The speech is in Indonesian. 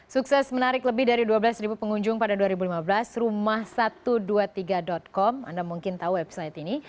sukses menarik lebih dari dua belas pengunjung pada dua ribu lima belas rumah satu ratus dua puluh tiga com anda mungkin tahu website ini